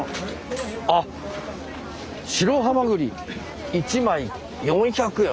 あっ白はまぐり１枚４００円。